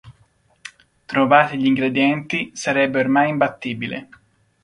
Trovati gli ingredienti, sarebbe ormai imbattibile.